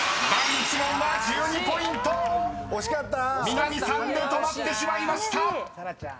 ［南さんで止まってしまいました！］